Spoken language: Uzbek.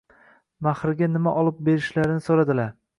Mahrga nima olib berishlarini soʻradilar.